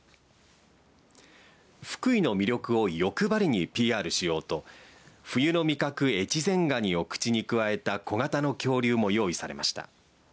福井の魅力を欲張りにＰＲしようと冬の味覚、越前がにを口にくわえた小型の恐竜も用意されました。